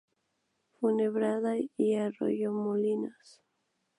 Fuenlabrada y Arroyomolinos.